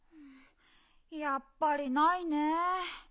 やっぱりないね。